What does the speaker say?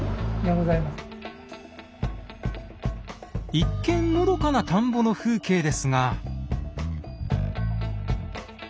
一見のどかな田んぼの風景ですが。